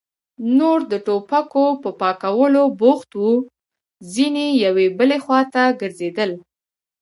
نور د ټوپکو په پاکولو بوخت وو، ځينې يوې بلې خواته ګرځېدل.